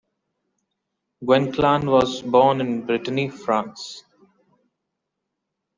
Gwenc’hlan was born in Brittany, France.